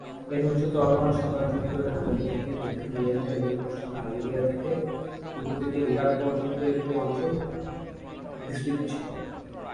এর উচ্চতায়, অটোমান সাম্রাজ্য উত্তরের হাঙ্গেরি থেকে দক্ষিণে ইয়েমেন এবং পশ্চিমে আলজেরিয়া থেকে পূর্বদিকে ইরাক পর্যন্ত একটি অঞ্চল বিস্তৃত ছিল।